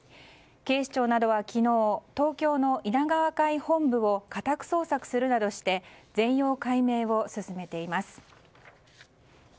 警視庁などは昨日東京の稲川会本部を家宅捜索するなどして全容解明を進めています。